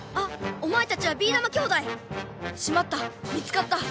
おまえたちはビーだま兄弟！しまった見つかった！